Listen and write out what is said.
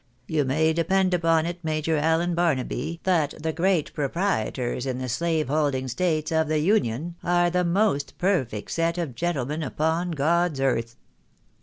You may depend upon it, Major Allen Barnaby, that the great proprietors in the slave holding states of the Union, are the most perfect set of gentlemen upon God's earth."